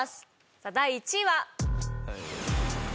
さあ第１位は。